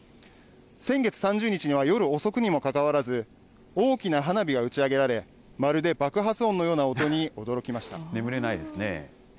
先月３０日には、夜遅くにもかかわらず、大きな花火が打ち上げられ、まるで爆発音のような音に驚眠れないですね。